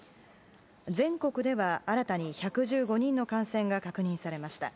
全国では新たに１１５人の感染が確認されました。